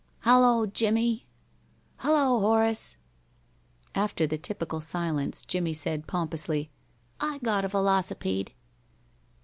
"Hello, Jimmie!" "Hello, Horace!" After the typical silence Jimmie said, pompously, "I got a velocipede."